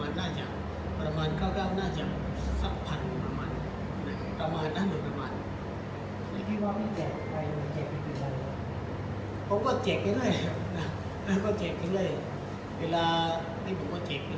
อย่างกับเคยมาเขาก็ได้ผมก็ไม่เหมือนนะครับไหนก็เพราะว่ามันทิ้งไว้มันไม่มีประโยชน์นะครับ